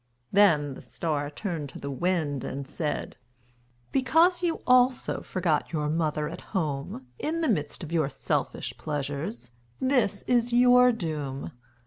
Then the Star turned to the Wind and said: "Because you also forgot your mother at home, in the midst of your selfish pleasures, this is your doom.